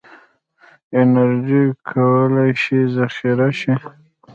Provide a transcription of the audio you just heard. انرژي کولی شي ذخیره شي.